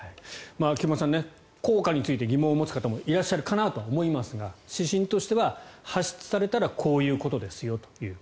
菊間さん効果について疑問を持つ方もいらっしゃるかなとは思いますが指針としては発出されたらこういうことですよという。